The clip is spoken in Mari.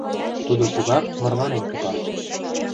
Тудо тугак мырланен кӱпа.